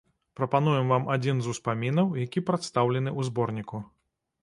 Прапануем вам адзін з успамінаў, які прадстаўлены ў зборніку.